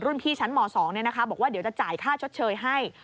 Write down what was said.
รุ่นพี่ชั้นม๒บอกว่าเดี๋ยวจะจ่ายค่าชดเชยให้